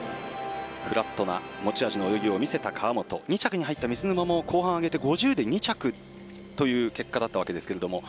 フラットな持ち味を見せた川本２着に入った水沼も後半、上げて５０で２着という結果だったわけですけど。